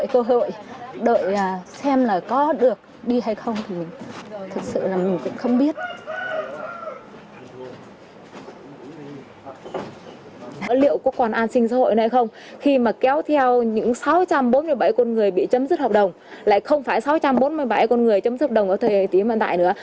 khi mà kéo theo những sáu trăm bốn mươi bảy con người bị chấm dứt hợp đồng lại không phải sáu trăm bốn mươi bảy con người chấm dứt hợp đồng ở thời tiết hiện tại nữa